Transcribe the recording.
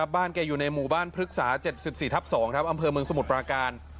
แกอยู่ในหมู่บ้านพฤกษา๗๔ทับ๒อำเภอเมืองสมุทรปราการ